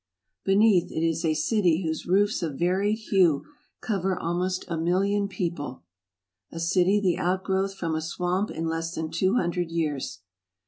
Beneath it is a city whose roofs of varied hue cover almost a million of people ; a city the outgrowth from a swamp in less than two hundred years.